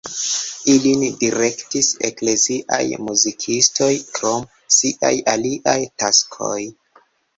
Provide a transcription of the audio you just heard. Ilin direktis ekleziaj muzikistoj krom siaj aliaj taskoj.